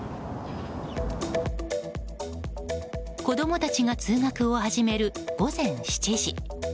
子供たちが通学を始める午前７時。